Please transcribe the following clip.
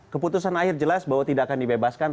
keputusan akhir jelas bahwa tidak akan dibebaskan